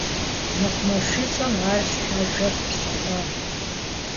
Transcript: МэкъумэшыщӀэм ар щхьэжэ щыхъуат.